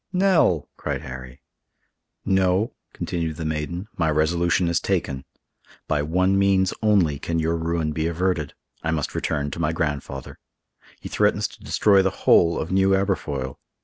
"Nell!" cried Harry. "No," continued the maiden, "my resolution is taken. By one means only can your ruin be averted; I must return to my grandfather. He threatens to destroy the whole of New Aberfoyle.